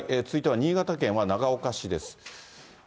続いては新潟県は長岡市です。